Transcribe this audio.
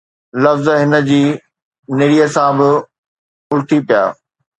لفظ هن جي نڙيءَ سان به الٽي پيا